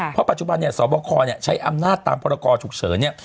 เพราะปัจจุบันสวบคลใช้อำนาจตามพรกรฉุกเฉิน